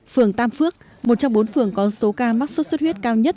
phường tam phước một trong bốn phường có số ca mắc sốt xuất huyết cao nhất